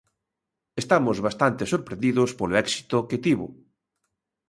Estamos bastante sorprendidos polo éxito que tivo.